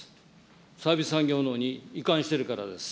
サービス産業のほうに移管してるからです。